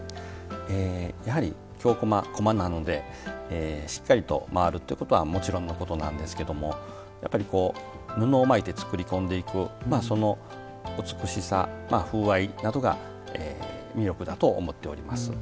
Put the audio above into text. やはり、京こまはこまなのでしっかりと回るということはもちろんのことなんですけれどもやっぱり布を巻いて作り込んでいくその美しさ、風合いなどが魅力だと思っております。